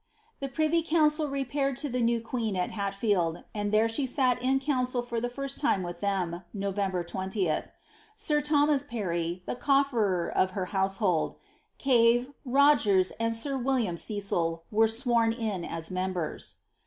The privy council repaired to the new queen at Hatfield, and there she sat in council for the first time with them, November 20th. Sir Thomas Parry, the coffisrer of her household, Cave, Rogers, and sif William Cecil, were sworn in as members.'